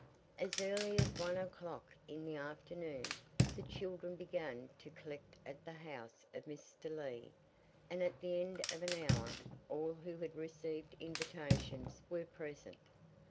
As early as one o'clock in the afternoon the children began to collect at the house of Mr. Lee, and at the end of an hour all who had received invitations were present.